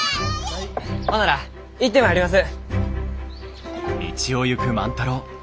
ほんなら行ってまいります。